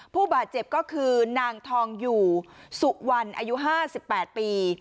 ผู้บาดเจ็บก็คือนางทองอยู่สุวรรณอายุ๕๘ปี